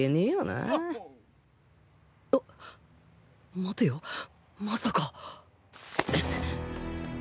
あ待てよまさか